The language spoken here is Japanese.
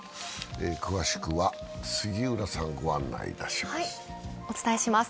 詳しくは杉浦さん、ご案内いたします。